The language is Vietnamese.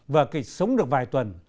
và kịch sống được vài tuần